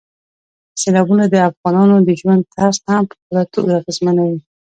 سیلابونه د افغانانو د ژوند طرز هم په پوره توګه اغېزمنوي.